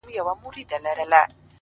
هره پوښتنه د حقیقت لور ته ګام دی!